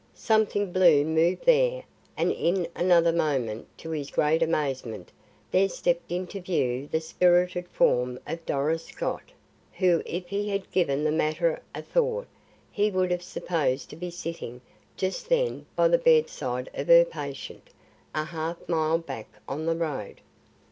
Something blue moved there, and in another moment, to his great amazement, there stepped into view the spirited form of Doris Scott, who if he had given the matter a thought he would have supposed to be sitting just then by the bedside of her patient, a half mile back on the road.